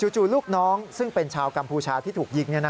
จู่ลูกน้องซึ่งเป็นชาวกัมพูชาที่ถูกยิง